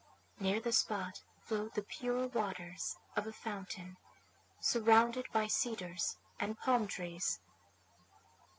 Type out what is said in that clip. Near the spot flowed the pure waters of a fountain, surrounded by cedars and palm trees.